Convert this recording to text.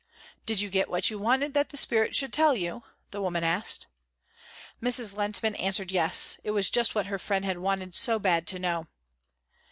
"Did you get what you wanted that the spirit should tell you?" the woman asked. Mrs. Lehntman answered yes, it was just what her friend had wanted so bad to know.